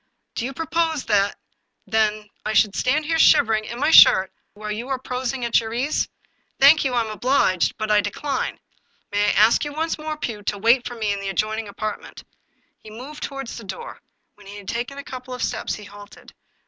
"" Do you propose, then, that I should stand here shiver ing in my shirt while you are prosing at your ease ? Thank you; I am obliged, but I decline. May I ask you once more, Pugh, to wait for me in the adjoining apartment? " He moved toward the door. When he had taken a couple of steps, he halted.